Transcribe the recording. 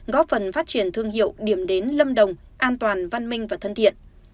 góp phần phát triển thương hiệu điểm đến lâm đồng an toàn văn minh và thân thiện